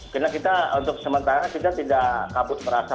karena kita untuk sementara kita tidak kabut merasa